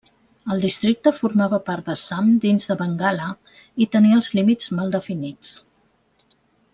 El districte formava part d'Assam dins de Bengala i tenia els límits mal definits.